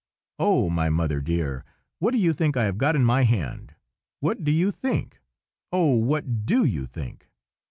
Oh, my mother dear, what do you think I have got in my hand? What do you think? oh, what do you think?"